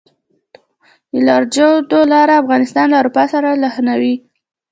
د لاجوردو لاره افغانستان له اروپا سره نښلوي